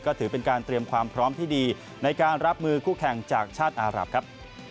ก็ถือเป็นการเตรียมความพร้อมที่ดีในการรับมือคู่แข่งจากชาติอารับครับ